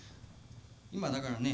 今だからね